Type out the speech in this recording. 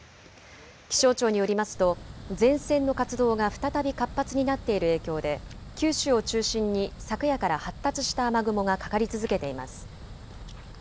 気象庁によりますと前線の活動が再び活発になっている影響で九州を中心に昨夜から発達した雨雲がかかり続けています。